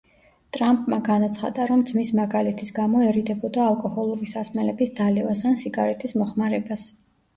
ტრამპმა განაცხადა, რომ ძმის მაგალითის გამო ერიდებოდა ალკოჰოლური სასმელების დალევას ან სიგარეტის მოხმარებას.